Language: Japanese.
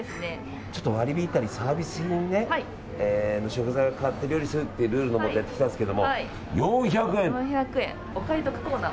割り引いたりサービス品の食材を買って料理するっていうルールのもとやってきたんですけど４００円で。